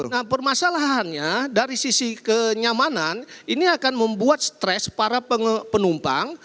nah permasalahannya dari sisi kenyamanan ini akan membuat stres para penumpang